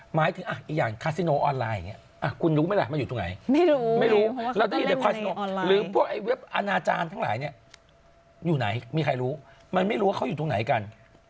หมายถึงอันยังคัสโนออนไลน์